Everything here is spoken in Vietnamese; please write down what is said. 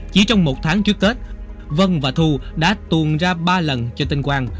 chỉ trong một tháng trước tết vân và thu đã tuồn ra ba lần cho tên quang